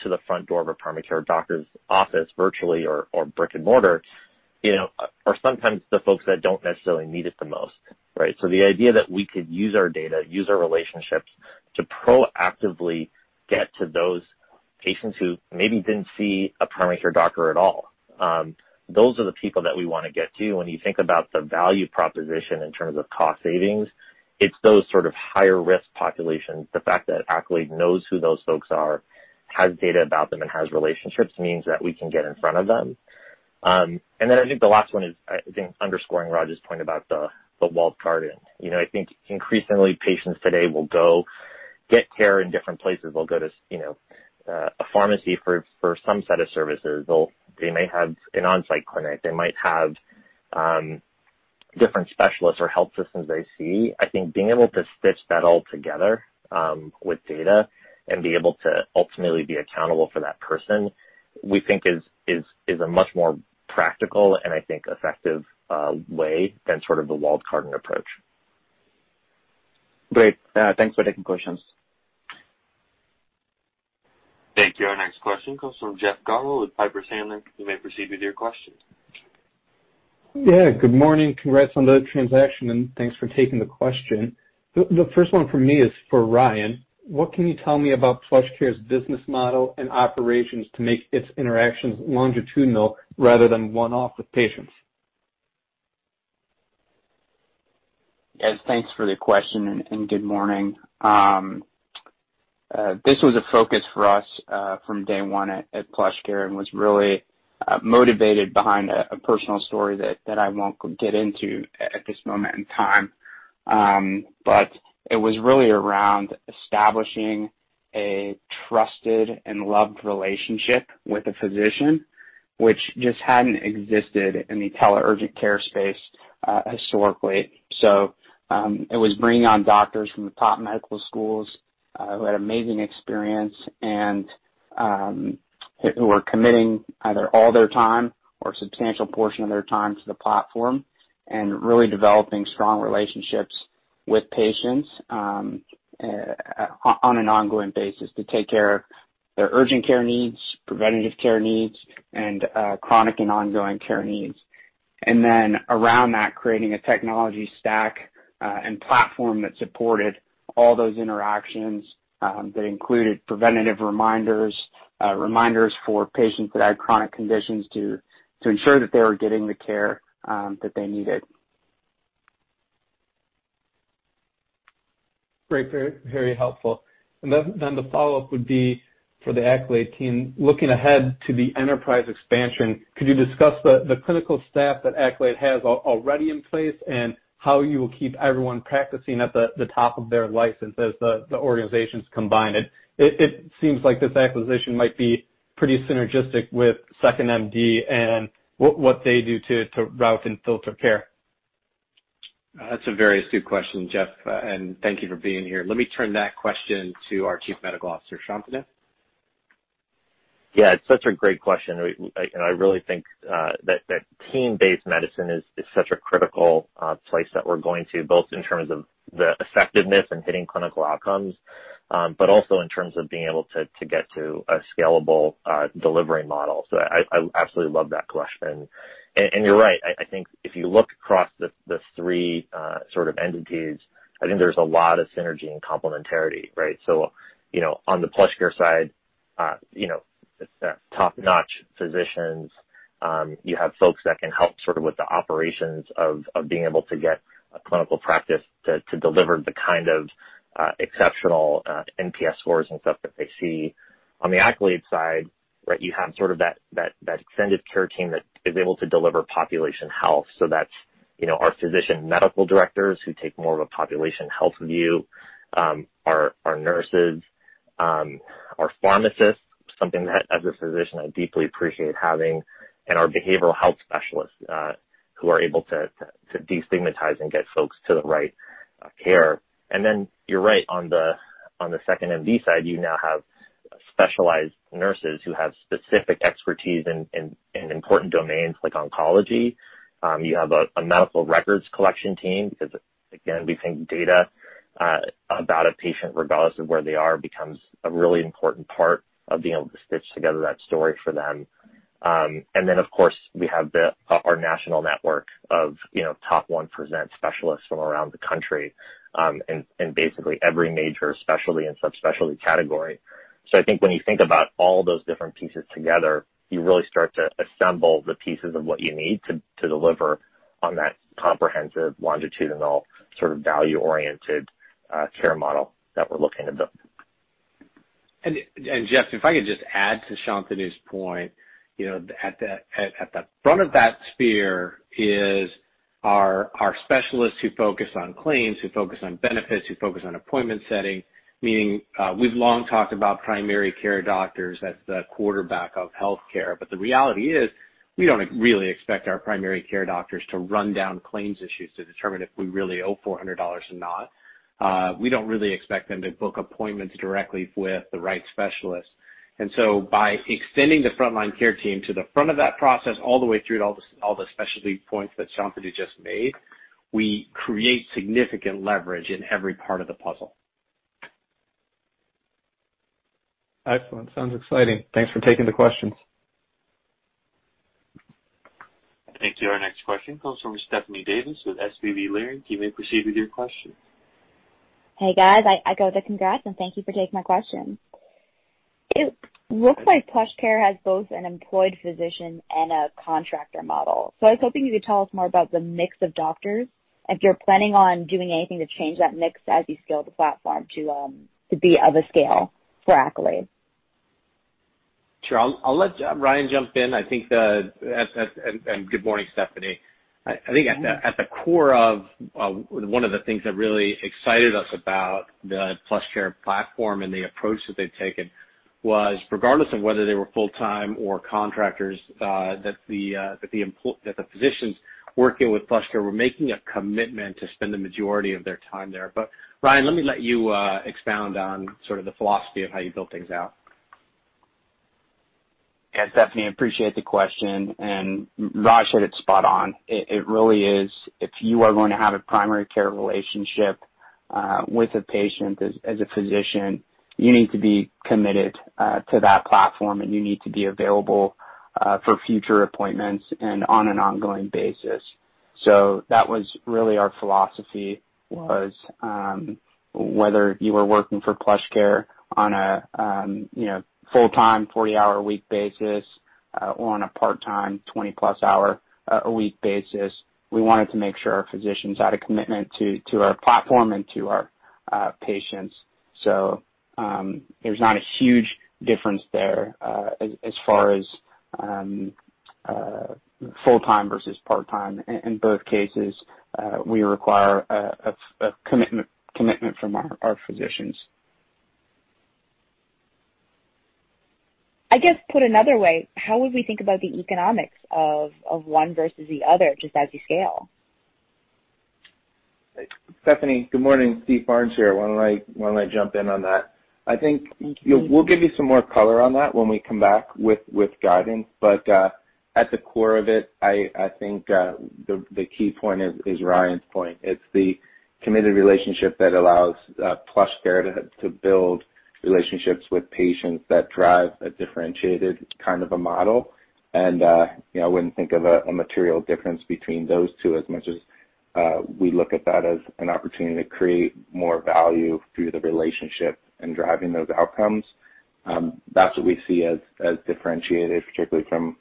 Speaker 8: to the front door of a primary care doctor's office, virtually or brick-and-mortar, are sometimes the folks that don't necessarily need it the most, right? The idea that we could use our data, use our relationships to proactively get to those patients who maybe didn't see a primary care doctor at all. Those are the people that we want to get to. When you think about the value proposition in terms of cost savings, it's those sort of higher-risk populations. The fact that Accolade knows who those folks are, has data about them, and has relationships means that we can get in front of them. I think the last one is, I think underscoring Raj's point about the walled garden. I think increasingly, patients today will go get care in different places. They'll go to a pharmacy for some set of services. They may have an on-site clinic, they might have different specialists or health systems they see. I think being able to stitch that all together with data and be able to ultimately be accountable for that person, we think is a much more practical and, I think, effective way than sort of the walled garden approach.
Speaker 7: Great. Thanks for taking questions.
Speaker 1: Thank you. Our next question comes from Jeff Garro with Piper Sandler. You may proceed with your question.
Speaker 9: Yeah, good morning. Congrats on the transaction. Thanks for taking the question. The first one from me is for Ryan. What can you tell me about PlushCare's business model and operations to make its interactions longitudinal rather than one-off with patients?
Speaker 4: Yes, thanks for the question and good morning. This was a focus for us from day one at PlushCare and was really motivated behind a personal story that I won't get into at this moment in time. It was really around establishing a trusted and loved relationship with a physician, which just hadn't existed in the tele-urgent care space, historically. It was bringing on doctors from the top medical schools, who had amazing experience and who were committing either all their time or a substantial portion of their time to the platform, and really developing strong relationships with patients on an ongoing basis to take care of their urgent care needs, preventative care needs, and chronic and ongoing care needs. Around that, creating a technology stack and platform that supported all those interactions, that included preventative reminders for patients that had chronic conditions to ensure that they were getting the care that they needed.
Speaker 9: Great. Very helpful. Then the follow-up would be for the Accolade team. Looking ahead to the enterprise expansion, could you discuss the clinical staff that Accolade has already in place and how you will keep everyone practicing at the top of their license as the organizations combine? It seems like this acquisition might be pretty synergistic with 2nd.MD and what they do to route and filter care.
Speaker 3: That's a very astute question, Jeff, and thank you for being here. Let me turn that question to our Chief Medical Officer. Shantanu?
Speaker 8: Yeah. It's such a great question, and I really think that team-based medicine is such a critical place that we're going to, both in terms of the effectiveness and hitting clinical outcomes, but also in terms of being able to get to a scalable delivery model. I absolutely love that question. You're right. I think if you look across the three sort of entities, I think there's a lot of synergy and complementarity, right? On the PlushCare side, top-notch physicians. You have folks that can help sort of with the operations of being able to get a clinical practice to deliver the kind of exceptional NPS scores and stuff that they see. On the Accolade side, right, you have sort of that extended care team that is able to deliver population health. That's our physician medical directors who take more of a population health view, our nurses, our pharmacists, something that as a physician, I deeply appreciate having, and our behavioral health specialists, who are able to destigmatize and get folks to the right care. You're right on the 2nd.MD side, you now have specialized nurses who have specific expertise in important domains like oncology. You have a medical records collection team because, again, we think data about a patient, regardless of where they are, becomes a really important part of being able to stitch together that story for them. Of course, we have our national network of top 1% specialists from around the country, in basically every major specialty and subspecialty category. I think when you think about all those different pieces together, you really start to assemble the pieces of what you need to deliver on that comprehensive, longitudinal, value-oriented care model that we're looking to build.
Speaker 3: Jeff, if I could just add to Shantanu's point, at the front of that sphere is our specialists who focus on claims, who focus on benefits, who focus on appointment setting, meaning, we've long talked about primary care doctors as the quarterback of healthcare. The reality is, we don't really expect our primary care doctors to run down claims issues to determine if we really owe $400 or not. We don't really expect them to book appointments directly with the right specialists. By extending the frontline care team to the front of that process all the way through to all the specialty points that Shantanu just made, we create significant leverage in every part of the puzzle.
Speaker 9: Excellent. Sounds exciting. Thanks for taking the questions.
Speaker 1: Thank you. Our next question comes from Stephanie Davis with SVB Leerink. You may proceed with your question.
Speaker 10: Hey, guys. I go with the congrats, and thank you for taking my question. It looks like PlushCare has both an employed physician and a contractor model. I was hoping you could tell us more about the mix of doctors and if you're planning on doing anything to change that mix as you scale the platform to be of a scale for Accolade.
Speaker 3: Sure. I'll let Ryan jump in. Good morning, Stephanie. I think at the core of one of the things that really excited us about the PlushCare platform and the approach that they've taken was, regardless of whether they were full-time or contractors, that the physicians working with PlushCare were making a commitment to spend the majority of their time there. Ryan, let me let you expound on sort of the philosophy of how you built things out.
Speaker 4: Stephanie, I appreciate the question, and Raj hit it spot on. It really is, if you are going to have a primary care relationship with a patient, as a physician, you need to be committed to that platform, and you need to be available for future appointments and on an ongoing basis. That was really our philosophy was, whether you were working for PlushCare on a full-time, 40-hour a week basis or on a part-time, 20+ hour a week basis, we wanted to make sure our physicians had a commitment to our platform and to our patients. There's not a huge difference there as far as full-time versus part-time. In both cases, we require a commitment from our physicians.
Speaker 10: I guess, put another way, how would we think about the economics of one versus the other, just as you scale?
Speaker 5: Stephanie, good morning. Steve Barnes here. Why don't I jump in on that? I think we'll give you some more color on that when we come back with guidance. At the core of it, I think, the key point is Ryan's point. It's the committed relationship that allows PlushCare to build relationships with patients that drive a differentiated kind of a model. I wouldn't think of a material difference between those two as much as, we look at that as an opportunity to create more value through the relationship and driving those outcomes. That's what we see as differentiated, particularly from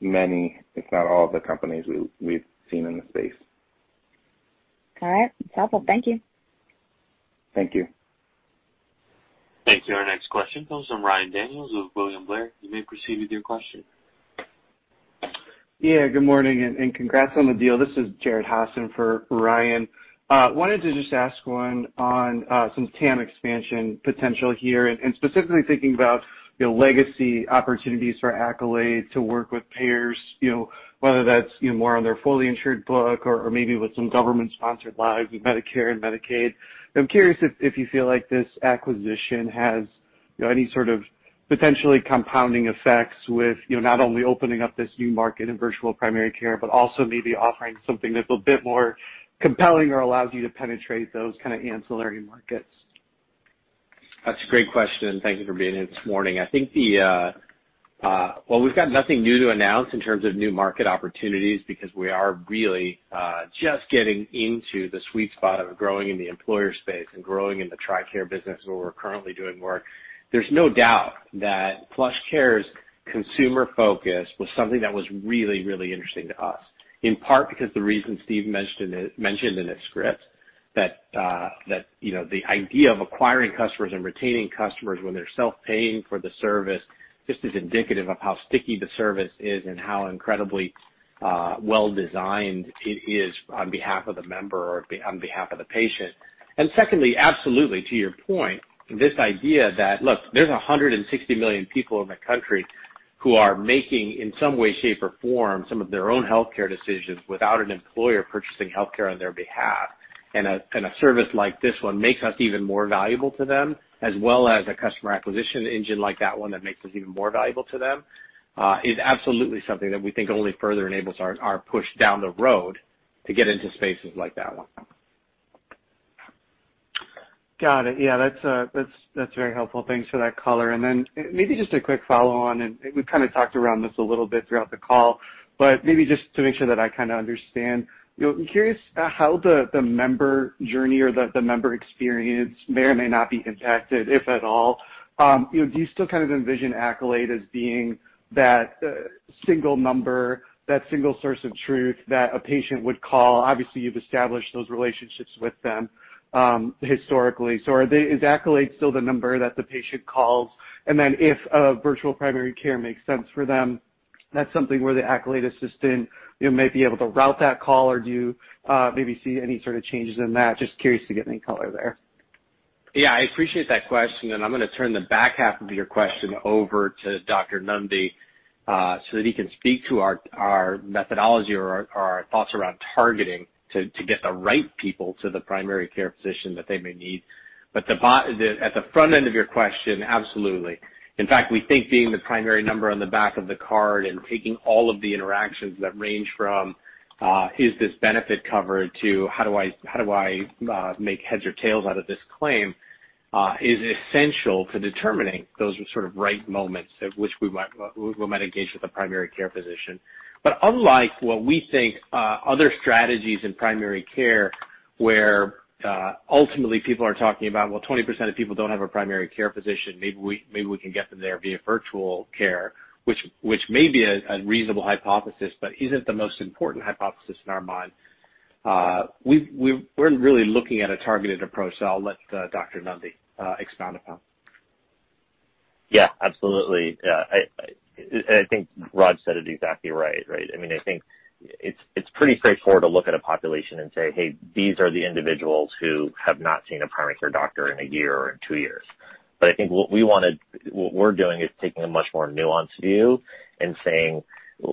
Speaker 5: many, if not all, of the companies we've seen in the space.
Speaker 10: All right. That's helpful. Thank you.
Speaker 5: Thank you.
Speaker 1: Thank you. Our next question comes from Ryan Daniels of William Blair. You may proceed with your question.
Speaker 11: Yeah, good morning, and congrats on the deal. This is Jared Haase for Ryan. Wanted to just ask one on some TAM expansion potential here, and specifically thinking about legacy opportunities for Accolade to work with payers, whether that's more on their fully insured book or maybe with some government-sponsored lives with Medicare and Medicaid. I'm curious if you feel like this acquisition has any sort of potentially compounding effects with not only opening up this new market in virtual primary care, but also maybe offering something that's a bit more compelling or allows you to penetrate those kind of ancillary markets.
Speaker 3: That's a great question. Thank you for being here this morning. Well, we've got nothing new to announce in terms of new market opportunities because we are really just getting into the sweet spot of growing in the employer space and growing in the TRICARE business where we're currently doing work. There's no doubt that PlushCare's consumer focus was something that was really, really interesting to us, in part because the reasons Steve mentioned in his script, that the idea of acquiring customers and retaining customers when they're self-paying for the service just is indicative of how sticky the service is and how incredibly well-designed it is on behalf of the member or on behalf of the patient. Secondly, absolutely, to your point, this idea that, look, there's 160 million people in the country who are making, in some way, shape, or form, some of their own healthcare decisions without an employer purchasing healthcare on their behalf. A service like this one makes us even more valuable to them, as well as a customer acquisition engine like that one that makes us even more valuable to them, is absolutely something that we think only further enables our push down the road to get into spaces like that one.
Speaker 11: Got it. Yeah, that's very helpful. Thanks for that color. Then maybe just a quick follow-on, and we've kind of talked around this a little bit throughout the call, but maybe just to make sure that I understand. I'm curious how the member journey or the member experience may or may not be impacted, if at all. Do you still kind of envision Accolade as being that single number, that single source of truth that a patient would call? Obviously, you've established those relationships with them, historically. Is Accolade still the number that the patient calls? Then if a virtual primary care makes sense for them, that's something where the Accolade assistant might be able to route that call, or do you maybe see any sort of changes in that? Just curious to get any color there.
Speaker 3: I appreciate that question, I'm going to turn the back half of your question over to Dr. Nundy, so that he can speak to our methodology or our thoughts around targeting to get the right people to the primary care physician that they may need. At the front end of your question, absolutely. In fact, we think being the primary number on the back of the card and taking all of the interactions that range from, "Is this benefit covered?" to, "How do I make heads or tails out of this claim?" is essential to determining those sort of right moments at which we might engage with a primary care physician. Unlike what we think other strategies in primary care, where ultimately people are talking about, well, 20% of people don't have a primary care physician. Maybe we can get them there via virtual care, which may be a reasonable hypothesis, but isn't the most important hypothesis in our mind. We're really looking at a targeted approach that I'll let Dr. Nundy expound upon.
Speaker 8: Yeah, absolutely. I think Raj said it exactly right. I think it's pretty straightforward to look at a population and say, "Hey, these are the individuals who have not seen a primary care doctor in a year or in two years." I think what we're doing is taking a much more nuanced view and saying,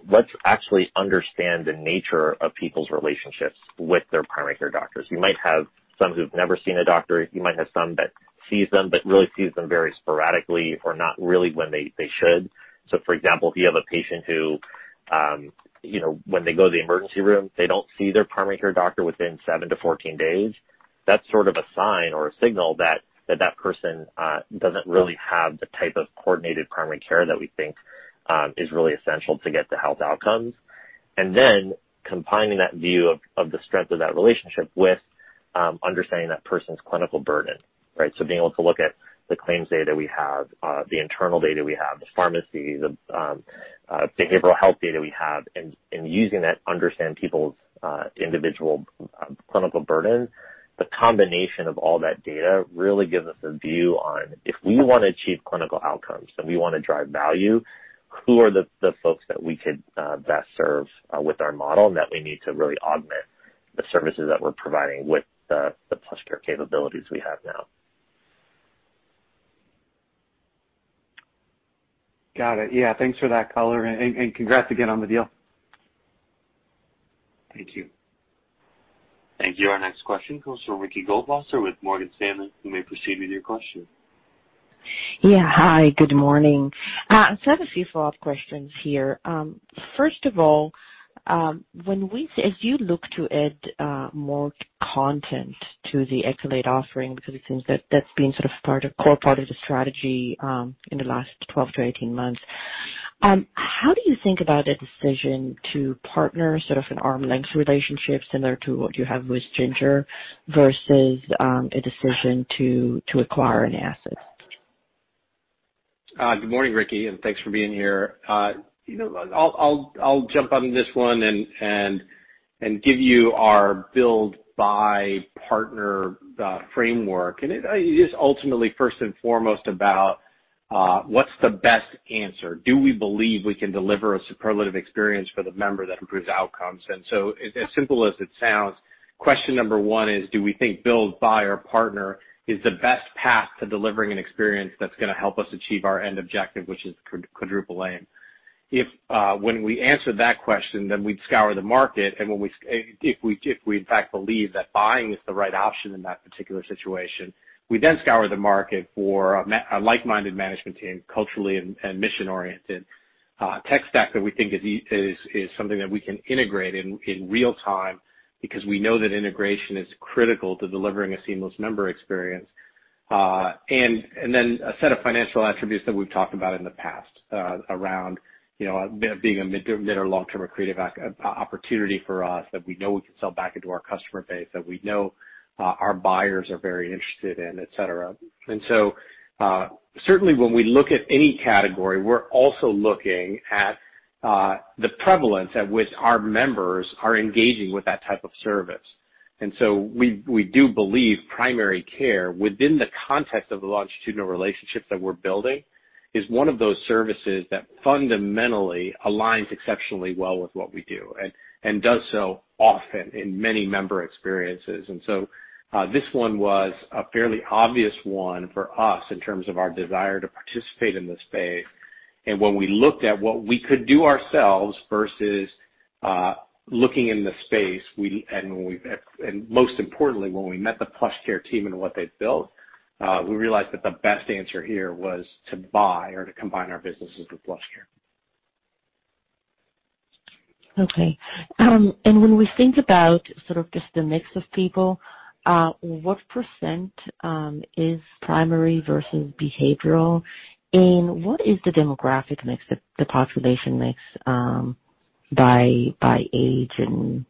Speaker 8: "Let's actually understand the nature of people's relationships with their primary care doctors." You might have some who've never seen a doctor. You might have some that sees them, but really sees them very sporadically or not really when they should. For example, if you have a patient who, when they go to the emergency room, they don't see their primary care doctor within 7-14 days, that's sort of a sign or a signal that person doesn't really have the type of coordinated primary care that we think is really essential to get the health outcomes. Then combining that view of the strength of that relationship with understanding that person's clinical burden, right. Being able to look at the claims data we have, the internal data we have, the pharmacies, the behavioral health data we have, and using that, understand people's individual clinical burden. The combination of all that data really gives us a view on if we want to achieve clinical outcomes, and we want to drive value, who are the folks that we could best serve with our model and that we need to really augment the services that we're providing with the PlushCare capabilities we have now.
Speaker 11: Got it. Yeah, thanks for that color, and congrats again on the deal.
Speaker 8: Thank you.
Speaker 1: Thank you. Our next question comes from Ricky Goldwasser with Morgan Stanley. You may proceed with your question.
Speaker 12: Yeah. Hi, good morning. I have a few follow-up questions here. First of all, as you look to add more content to the Accolade offering, because it seems that's been sort of part, a core part of the strategy in the last 12-18 months, how do you think about a decision to partner sort of an arm's length relationship, similar to what you have with Ginger, versus a decision to acquire an asset?
Speaker 3: Good morning, Ricky, and thanks for being here. I'll jump on this one and give you our build/buy/partner framework. It is ultimately, first and foremost, about what's the best answer. Do we believe we can deliver a superlative experience for the member that improves outcomes? As simple as it sounds, question number one is do we think build, buy or partner is the best path to delivering an experience that's going to help us achieve our end objective, which is Quadruple Aim? When we answer that question, then we'd scour the market, and if we in fact believe that buying is the right option in that particular situation, we then scour the market for a like-minded management team, culturally and mission-oriented, tech stack that we think is something that we can integrate in real time because we know that integration is critical to delivering a seamless member experience. A set of financial attributes that we've talked about in the past, around being a mid or long-term accretive opportunity for us that we know we can sell back into our customer base, that we know our buyers are very interested in, et cetera. Certainly when we look at any category, we're also looking at the prevalence at which our members are engaging with that type of service. We do believe primary care, within the context of the longitudinal relationships that we're building, is one of those services that fundamentally aligns exceptionally well with what we do and does so often in many member experiences. This one was a fairly obvious one for us in terms of our desire to participate in this space. When we looked at what we could do ourselves versus looking in the space, and most importantly, when we met the PlushCare team and what they'd built, we realized that the best answer here was to buy or to combine our businesses with PlushCare.
Speaker 12: Okay. When we think about just the mix of people, what percent is primary versus behavioral, and what is the demographic mix, the population mix, by age and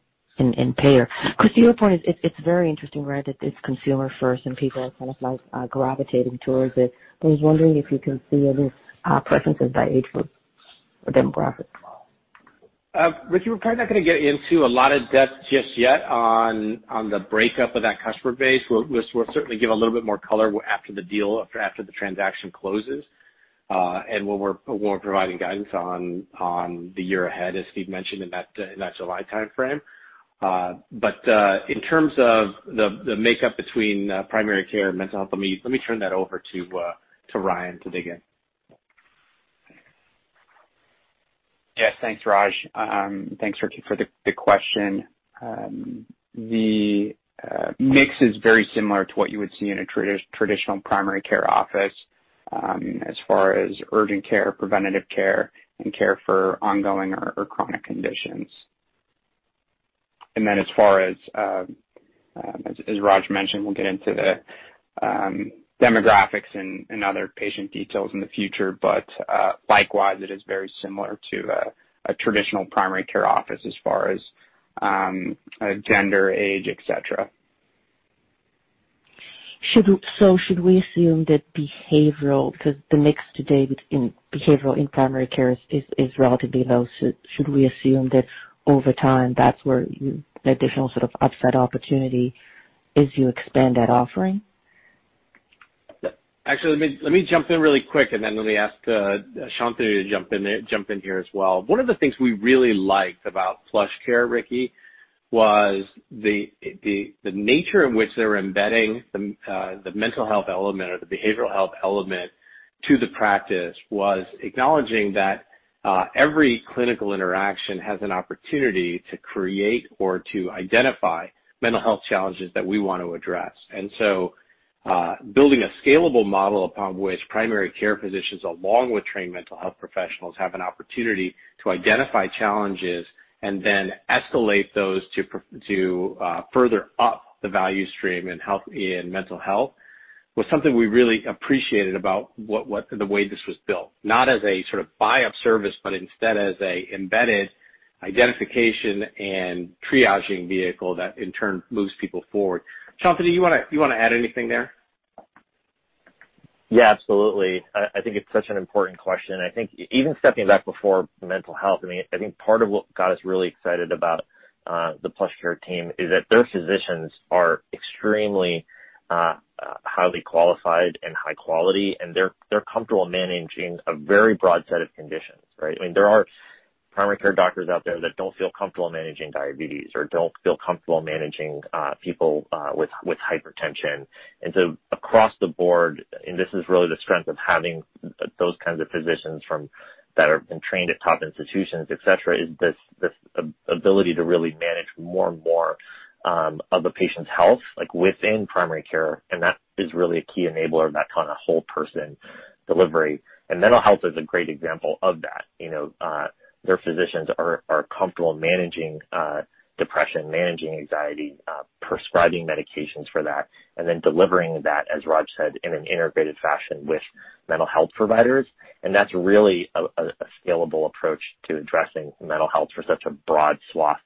Speaker 12: payer? To your point, it's very interesting, right, that it's consumer first and people are gravitating towards it, but I was wondering if you can see any preferences by age groups or demographics.
Speaker 3: Ricky, we're probably not going to get into a lot of depth just yet on the breakup of that customer base. We'll certainly give a little bit more color after the deal, after the transaction closes, and when we're providing guidance on the year ahead, as Steve mentioned, in that July timeframe. In terms of the makeup between primary care and mental health, let me turn that over to Ryan to dig in.
Speaker 4: Yes, thanks, Raj. Thanks, Ricky, for the question. The mix is very similar to what you would see in a traditional primary care office, as far as urgent care, preventive care, and care for ongoing or chronic conditions. As far as Raj mentioned, we'll get into the demographics and other patient details in the future. Likewise, it is very similar to a traditional primary care office as far as gender, age, et cetera.
Speaker 12: Should we assume that behavioral, because the mix today in behavioral, in primary care is relatively low, so should we assume that over time, that's where the additional sort of offset opportunity is you expand that offering?
Speaker 3: Actually, let me jump in really quick, and then let me ask Shantanu to jump in here as well. One of the things we really liked about PlushCare, Ricky, was the nature in which they were embedding the mental health element or the behavioral health element to the practice was acknowledging that every clinical interaction has an opportunity to create or to identify mental health challenges that we want to address. Building a scalable model upon which primary care physicians, along with trained mental health professionals, have an opportunity to identify challenges and then escalate those to further up the value stream in mental health was something we really appreciated about the way this was built. Not as a sort of buy-up service, but instead as a embedded identification and triaging vehicle that in turn moves people forward. Shanti, do you want to add anything there?
Speaker 8: Yeah, absolutely. I think it's such an important question. I think even stepping back before mental health, I think part of what got us really excited about the PlushCare team is that their physicians are extremely highly qualified and high quality, and they're comfortable managing a very broad set of conditions, right? There are primary care doctors out there that don't feel comfortable managing diabetes or don't feel comfortable managing people with hypertension. Across the board, and this is really the strength of having those kinds of physicians that have been trained at top institutions, et cetera, is this ability to really manage more and more of a patient's health within primary care. That is really a key enabler of that kind of whole person delivery. Mental health is a great example of that. Their physicians are comfortable managing depression, managing anxiety, prescribing medications for that, and then delivering that, as Raj said, in an integrated fashion with mental health providers. That's really a scalable approach to addressing mental health for such a broad swath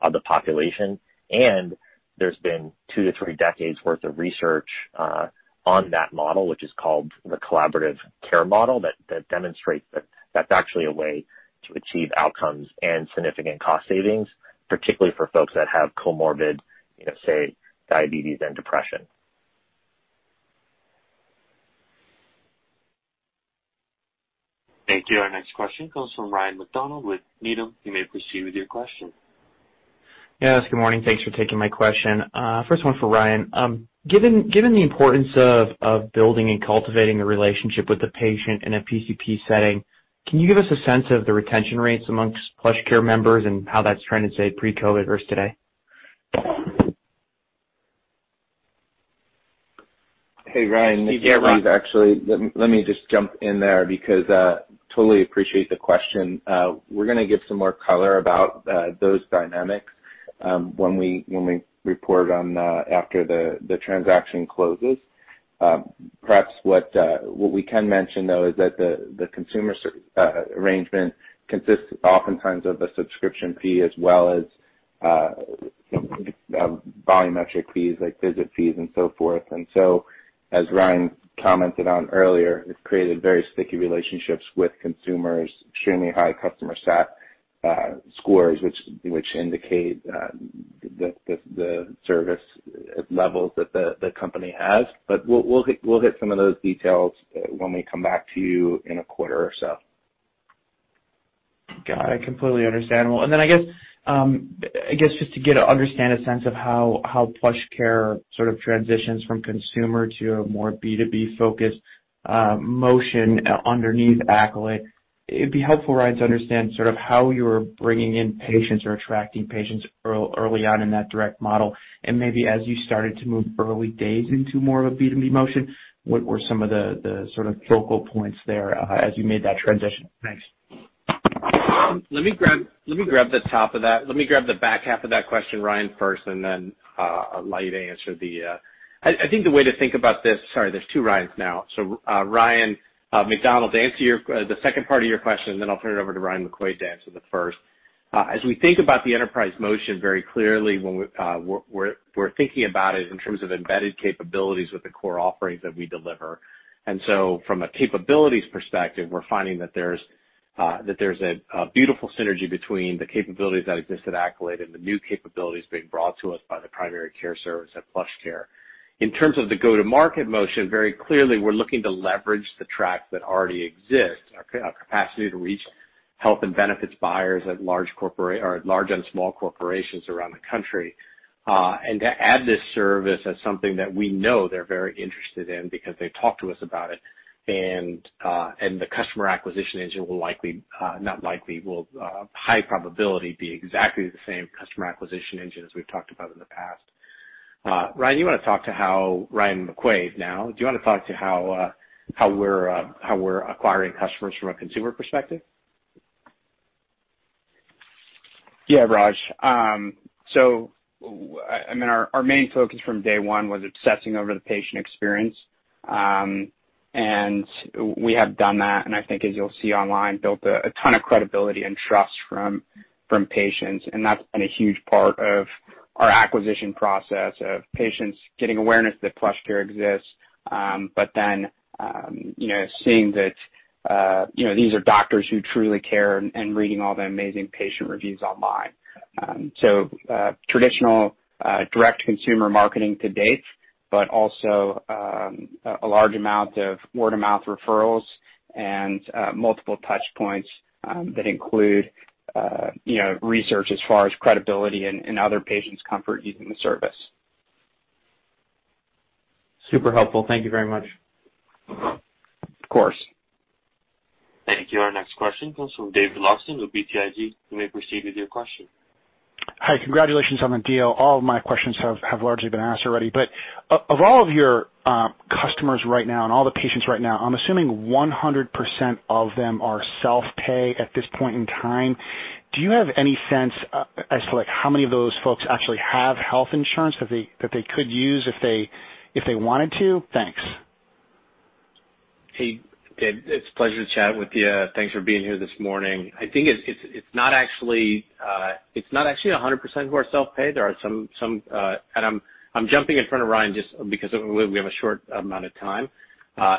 Speaker 8: of the population. There's been two to three decades worth of research on that model, which is called the Collaborative Care Model, that demonstrates that that's actually a way to achieve outcomes and significant cost savings, particularly for folks that have comorbid, say, diabetes and depression.
Speaker 1: Thank you. Our next question comes from Ryan MacDonald with Needham. You may proceed with your question.
Speaker 13: Yes, good morning. Thanks for taking my question. First one for Ryan. Given the importance of building and cultivating a relationship with a patient in a PCP setting, can you give us a sense of the retention rates amongst PlushCare members and how that's trended, say, pre-COVID versus today?
Speaker 3: Hey, Ryan, this is Raj, actually. Let me just jump in there because, I totally appreciate the question. We're going to give some more color about those dynamics when we report after the transaction closes. Perhaps what we can mention, though, is that the consumer arrangement consists oftentimes of a subscription fee as well as volumetric fees, like visit fees and so forth. As Ryan commented on earlier, it created very sticky relationships with consumers, extremely high customer sat scores, which indicate the service levels that the company has. We'll hit some of those details when we come back to you in a quarter or so.
Speaker 13: Got it. Completely understandable. Then I guess, just to understand a sense of how PlushCare sort of transitions from consumer to a more B2B focused motion, underneath Accolade. It'd be helpful, Ryan, to understand sort of how you're bringing in patients or attracting patients early on in that direct model. Maybe as you started to move early days into more of a B2B motion, what were some of the sort of focal points there as you made that transition? Thanks.
Speaker 3: Let me grab the back half of that question, Ryan, first, and then I'll allow you to answer the I think the way to think about this, sorry, there's two Ryans now. Ryan MacDonald, answer the second part of your question, and then I'll turn it over to Ryan McQuaid to answer the first. As we think about the enterprise motion, very clearly we're thinking about it in terms of embedded capabilities with the core offerings that we deliver. From a capabilities perspective, we're finding that there's a beautiful synergy between the capabilities that exist at Accolade and the new capabilities being brought to us by the primary care service at PlushCare. In terms of the go-to-market motion, very clearly, we're looking to leverage the track that already exists, our capacity to reach health and benefits buyers at large and small corporations around the country. To add this service as something that we know they're very interested in because they talk to us about it, and the customer acquisition engine will high probability be exactly the same customer acquisition engine as we've talked about in the past. Ryan, do you want to talk to how, Ryan McQuaid now, do you want to talk to how we're acquiring customers from a consumer perspective?
Speaker 4: Yeah, Raj. Our main focus from day one was obsessing over the patient experience. We have done that, and I think as you'll see online, built a ton of credibility and trust from patients, and that's been a huge part of our acquisition process of patients getting awareness that PlushCare exists. Seeing that these are doctors who truly care and reading all the amazing patient reviews online. Traditional direct consumer marketing to date, but also, a large amount of word of mouth referrals and multiple touch points, that include research as far as credibility and other patients' comfort using the service.
Speaker 13: Super helpful. Thank you very much.
Speaker 4: Of course.
Speaker 1: Thank you. Our next question comes from David Larsen with BTIG. You may proceed with your question.
Speaker 14: Hi. Congratulations on the deal. All of my questions have largely been asked already, but of all of your customers right now and all the patients right now, I'm assuming 100% of them are self-pay at this point in time. Do you have any sense as to how many of those folks actually have health insurance that they could use if they wanted to? Thanks.
Speaker 3: Hey, David, it's a pleasure to chat with you. Thanks for being here this morning. I think it's not actually 100% who are self-pay. There are some, and I'm jumping in front of Ryan just because we have a short amount of time.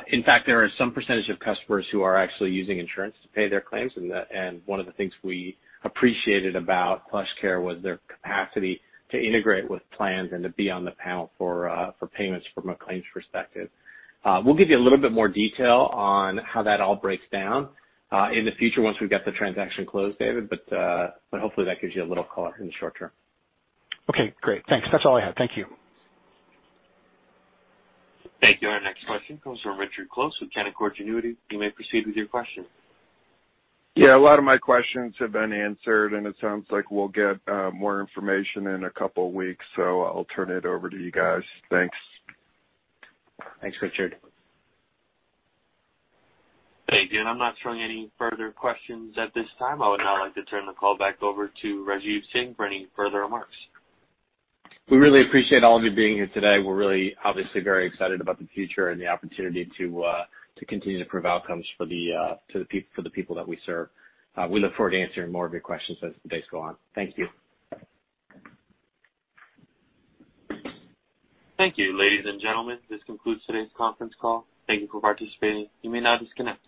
Speaker 3: In fact, there are some percentage of customers who are actually using insurance to pay their claims, and one of the things we appreciated about PlushCare was their capacity to integrate with plans and to be on the panel for payments from a claims perspective. We'll give you a little bit more detail on how that all breaks down, in the future once we've got the transaction closed, David, but hopefully that gives you a little color in the short term.
Speaker 14: Okay, great. Thanks. That's all I have. Thank you.
Speaker 1: Thank you. Our next question comes from Richard Close with Canaccord Genuity. You may proceed with your question.
Speaker 15: Yeah, a lot of my questions have been answered. It sounds like we'll get more information in a couple of weeks. I'll turn it over to you guys. Thanks.
Speaker 3: Thanks, Richard.
Speaker 1: Thank you. I'm not showing any further questions at this time. I would now like to turn the call back over to Rajeev Singh for any further remarks.
Speaker 3: We really appreciate all of you being here today. We're really obviously very excited about the future and the opportunity to continue to improve outcomes for the people that we serve. We look forward to answering more of your questions as the days go on. Thank you.
Speaker 1: Thank you, ladies and gentlemen. This concludes today's conference call. Thank you for participating. You may now disconnect.